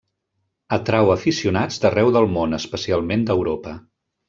Atrau aficionats d'arreu del món, especialment d'Europa.